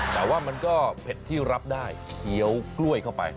แต่ว่ามันก็เผ็ดที่รับได้เคี้ยวกล้วยเข้าไป